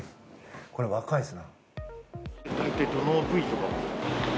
これは若いですね。